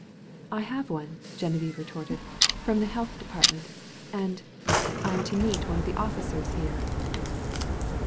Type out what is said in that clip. "I have one," Geneviève retorted, "from the Health Department. And I am to meet one of the officers here."